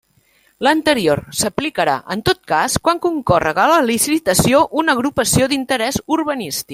L'anterior s'aplicarà, en tot cas, quan concórrega a la licitació una agrupació d'interés urbanístic.